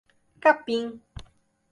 Capim